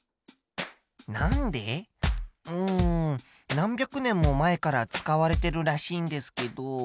何百年も前から使われてるらしいんですけど。